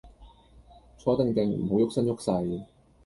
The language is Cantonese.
坐定定，唔好郁身郁勢